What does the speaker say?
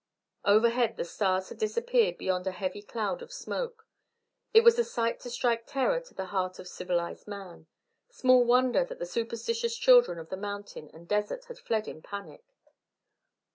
Overhead the stars had disappeared beyond a heavy cloud of smoke. It was a sight to strike terror to the heart of civilised man; small wonder that the superstitious children of the mountain and desert had fled in panic.